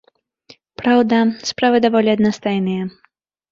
Праўда, справы даволі аднастайныя.